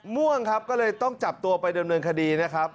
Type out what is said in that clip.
ม่วงครับก็เลยต้องจับตัวไปดำเนินคดีนะครับ